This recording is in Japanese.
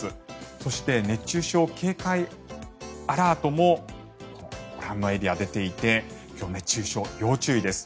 そして熱中症警戒アラートもご覧のエリア、出ていて今日、熱中症、要注意です。